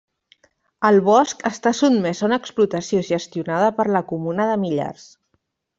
El bosc està sotmès a una explotació gestionada per la comuna de Millars.